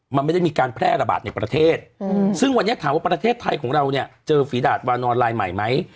มันไม่ได้มีการแพร่ระบาดในประเทศซึ่งวันนี้ถามว่าประเทศไทยของเราเนี่ยเจอฝีดาดวานอนลายใหม่ไหม